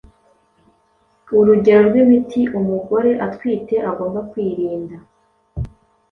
uregero rw’imiti umugore atwite agomba kwirinda